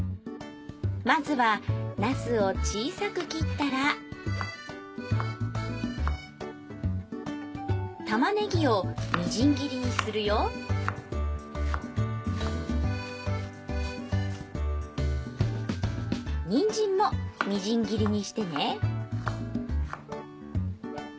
まずはなすを小さく切ったらたまねぎをみじん切りにするよにんじんもみじん切りにしてね